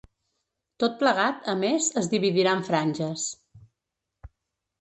Tot plegat, a més, es dividirà en franges.